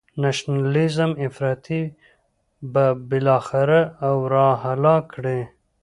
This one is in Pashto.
نشنلیزم افراطی به بالاخره او را هلاک کړي.